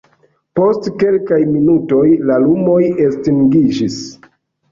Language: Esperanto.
Post kelkaj minutoj, la lumoj estingiĝis.